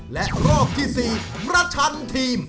และรอบที่๔ประชันทีม